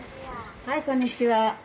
はいこんにちは。